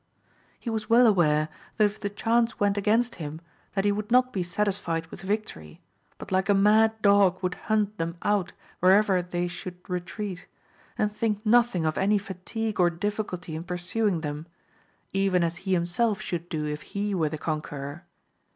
He was well aware that if the chance went against him that he would not be satisfied with victory, but like a mad dog would hunt them out^ wherever they should 11—2 164 AMADIS OF GAUL. retreat, and think nothing of any fatigue or difficulty in pursuing them, even as he himself should do if he were the conqueror.